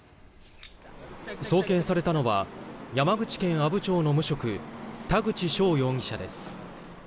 送検されたのは山口県阿武町の無職田口翔容疑者です。